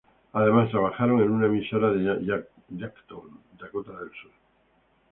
Además, trabajaron en una emisora de Yankton, Dakota del Sur.